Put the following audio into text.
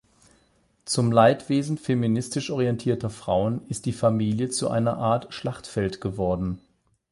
Zum Leidwesen feministisch orientierter Frauen ist die Familie zu einer Art Schlachtfeld geworden.